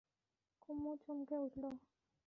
কুমু চমকে উঠল।